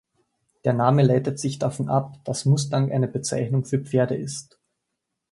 Der Name leitet sich davon ab, dass Mustang eine Bezeichnung für Pferde ist.